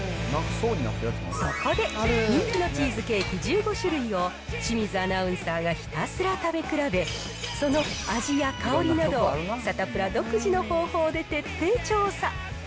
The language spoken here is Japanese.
そこで、人気のチーズケーキ１５種類を清水アナウンサーがひたすら食べ比べ、その味や香りなどをサタプラ独自の方法で徹底調査。